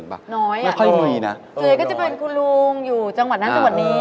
น้อยอ่ะไม่ค่อยมีนะส่วนใหญ่ก็จะเป็นคุณลุงอยู่จังหวัดนั้นจังหวัดนี้